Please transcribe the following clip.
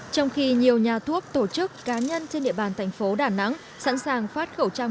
trong khi nhiều nhà thuốc tổ chức cá nhân trên địa bàn thành phố đà nẵng sẵn sàng phát khẩu trang